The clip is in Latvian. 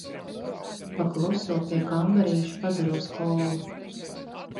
Pa kluso pie kambarīša padzeros kolu.